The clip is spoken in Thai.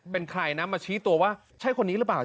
เป็นใครนะมาชี้ตัวว่าใช่คนนี้หรือเปล่า